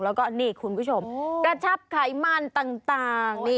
แล้วก็นี่คุณผู้ชมกระชับไขมันต่าง